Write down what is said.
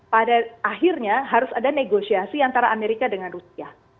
pada akhirnya harus ada negosiasi antara amerika dengan rusia